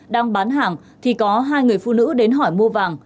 đang bán hàng thì có hai người phụ nữ đến hỏi mua vàng